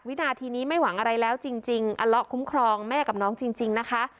วินาทีนี้ไม่หวังอะไรแล้วจริงอัลละคุ้มครองแม่กับน้องจริงนะคะ